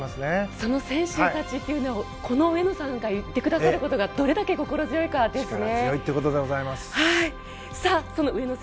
その選手たちというのはこの上野さんが言ってくださることがどれだけ心強いかですね。